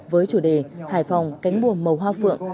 với chủ đề hải phòng cánh bùa màu hoa phượng